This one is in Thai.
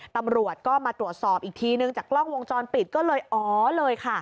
ตำรวจก็มาตรวจสอบอีกทีนึงจากกล้องวงจรปิดก็เลยอ๋อเลยค่ะ